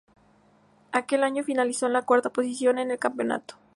Aquel año finalizó en la cuarta posición en el campeonato.